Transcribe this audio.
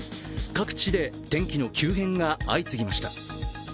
各地で天気の急変が相次ぎました。